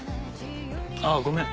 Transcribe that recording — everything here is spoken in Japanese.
ああごめん。